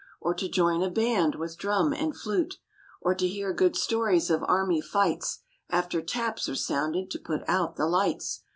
Or to join a band with drum and flute, Or to hear good stories of army fights After taps are sounded to put out the lights.